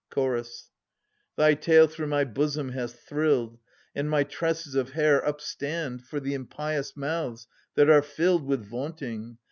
Chorus. Thy tale through my bosom hath thrilled, And my tresses of hair upstand For the impious mouths that are filled With vaimting.